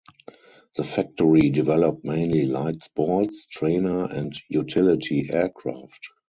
The factory developed mainly light sports, trainer and utility aircraft.